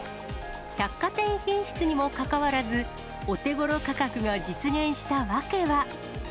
百貨店品質にもかかわらず、お手ごろ価格が実現した訳は。